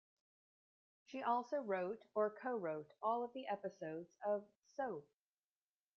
She also wrote or co-wrote all of the episodes of "Soap".